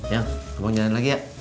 yang kemungkinan lagi ya